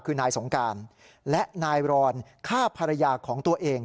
คือนายสงการและนายรอนฆ่าภรรยาของตัวเอง